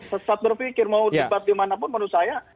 sesat berpikir mau debat dimanapun menurut saya